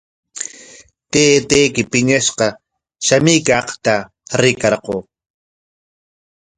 Taytayki piñashqa shamuykaqta rikarquu.